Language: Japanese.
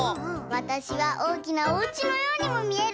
わたしはおおきなおうちのようにもみえる！